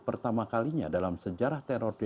pertama kalinya dalam sejarah teror di